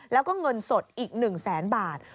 แล้วก็เงินสดอีก๑แสนบาท